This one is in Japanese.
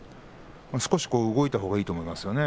少し動いたほうがいいと思いますね。